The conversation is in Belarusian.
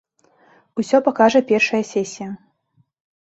Усё пакажа першая сесія.